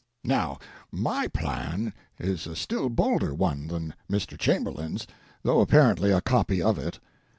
Now, my plan is a still bolder one than Mr. Chamberlain's, though apparently a copy of it.